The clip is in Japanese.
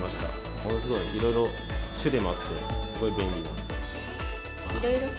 ものすごいいろいろ種類もあって、すごい便利です。